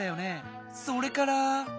それから。